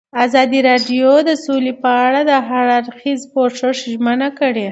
ازادي راډیو د سوله په اړه د هر اړخیز پوښښ ژمنه کړې.